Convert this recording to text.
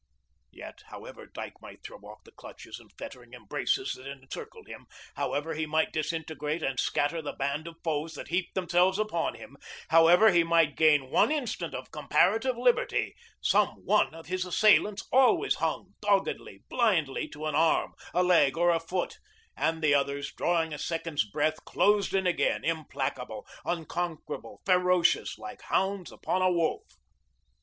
Yet, however Dyke might throw off the clutches and fettering embraces that encircled him, however he might disintegrate and scatter the band of foes that heaped themselves upon him, however he might gain one instant of comparative liberty, some one of his assailants always hung, doggedly, blindly to an arm, a leg, or a foot, and the others, drawing a second's breath, closed in again, implacable, unconquerable, ferocious, like hounds upon a wolf.